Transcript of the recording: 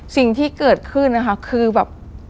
สิ่งที่เกิดขึ้นนะคะคือแบบ